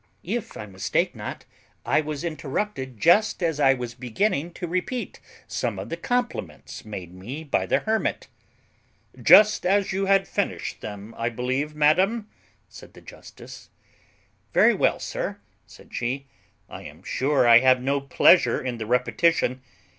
"If I mistake not, I was interrupted just as I was beginning to repeat some of the compliments made me by the hermit." "Just as you had finished them, I believe, madam," said the justice. "Very well, sir," said she; "I am sure I have no pleasure in the repetition.